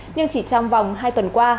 nhưng chỉ trong vòng hai tuần qua